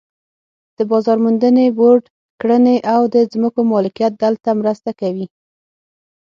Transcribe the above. د بازار موندنې بورډ کړنې او د ځمکو مالکیت دلته مرسته کوي.